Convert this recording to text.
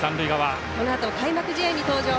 このあと開幕試合に出場。